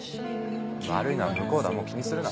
悪いのは向こうだもう気にするな。